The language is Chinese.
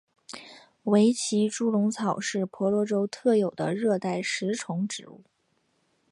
维奇猪笼草是婆罗洲特有的热带食虫植物。